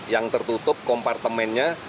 yang tertutup kompartemennya